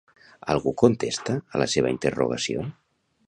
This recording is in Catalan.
Algú contesta a la seva interrogació?